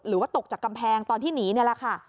หรือว่าตกจากกำแพงตอนที่หนีนี่แหละค่ะ